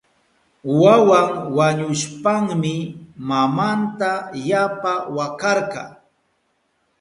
Wawan wañushpanmi mamanta yapa wakarka.